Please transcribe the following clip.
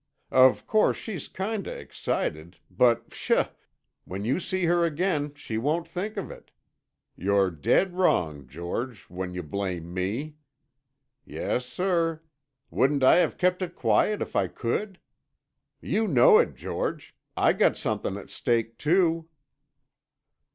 Of course she's kinda excited—but, pshaw! When you see her again she won't think of it. You're dead wrong, George, when you blame me. Yes, sir. Wouldn't I have kept it quiet if I could? You know it, George. I got somethin' at stake, too."